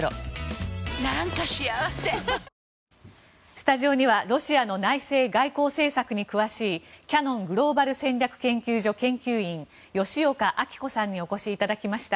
スタジオにはロシアの内政・外交政策に詳しいキヤノングローバル戦略研究所研究員、吉岡明子さんにお越しいただきました。